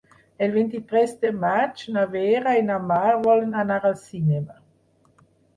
El vint-i-tres de maig na Vera i na Mar volen anar al cinema.